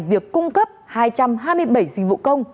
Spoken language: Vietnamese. việc cung cấp hai trăm hai mươi bảy dịch vụ công